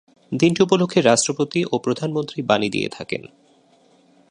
দিনটি উপলক্ষে রাষ্ট্রপতি ও প্রধানমন্ত্রী বাণী দিয়ে থাকেন।